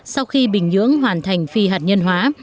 sau khi bình nhưỡng hoàn thành phi hạt nhân hóa